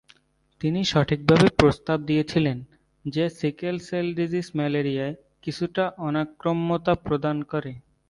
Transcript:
তিনি সঠিকভাবে প্রস্তাব দিয়েছিলেন যে সিকেল-সেল ডিজিজ ম্যালেরিয়ায় কিছুটা অনাক্রম্যতা প্রদান করে।